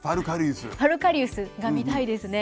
ファルカリウスが見たいですね。